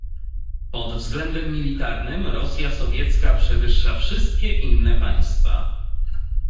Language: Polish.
"Pod względem militarnym Rosja Sowiecka przewyższa wszystkie inne państwa."